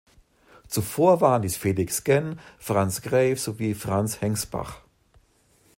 Zuvor waren dies Felix Genn, Franz Grave sowie Franz Hengsbach.